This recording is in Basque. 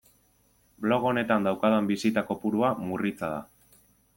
Blog honetan daukadan bisita kopurua murritza da.